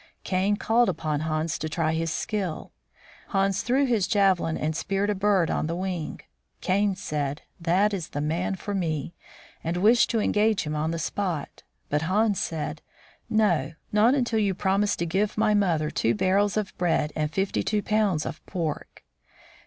Kane called upon Hans to try his skill. Hans threw his javelin and speared a bird on the wing. Kane said, " That is the man for me," and wished to engage him on the spot. But Hans said, " No, not until you promise to give my mother two barrels of bread and fifty two pounds of pork."